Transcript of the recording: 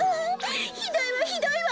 ひどいわひどいわ！